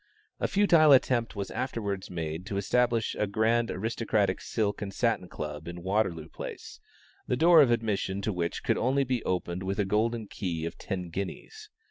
A futile attempt was afterwards made to establish a grand aristocratic silk and satin club in Waterloo Place, the door of admission to which could only be opened with a golden key of ten guineas.